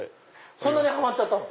そんなにハマっちゃったの？